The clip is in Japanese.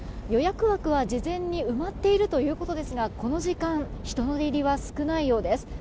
予約枠は事前に埋まっているということですがこの時間人の出入りは少ないようです。